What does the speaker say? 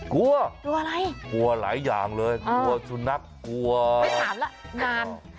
กลัวกลัวอะไรกลัวหลายอย่างเลยกลัวสุนัขกลัวไม่ถามแล้วนาน